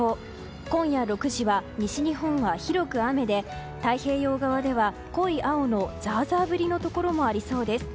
今夜６時は西日本は広く雨で太平洋側では濃い青のザーザー降りのところもありそうです。